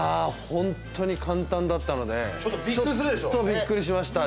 本当に簡単だったので、ちょっとびっくりしました。